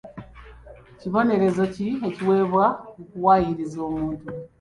Kibonerezo ki ekiweebwa okuwaayiriza omuntu?